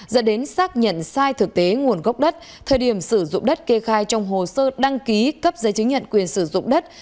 dẫn đến xác nhận sai thực tế nguồn gốc đất thời điểm sử dụng đất kê khai trong hồ sơ đăng ký cấp giấy chứng nhận quyền sử dụng đất